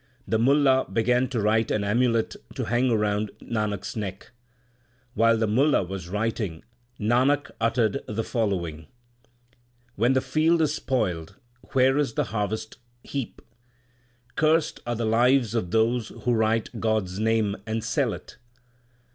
The Mulla began to write an amulet to hang round Nanak s neck. While the Mulla was writing Nanak uttered the following : When the field is spoiled where is the harvest heap ? Cursed are the lives of those who write God s name and sell it.